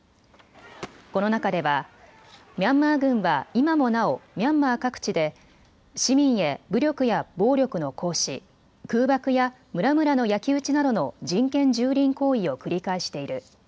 この中ではミャンマー軍は今もなおミャンマー各地で市民へ武力や暴力の行使、空爆や村々の焼き打ちなどの人権じゅうりん行為を繰り返している。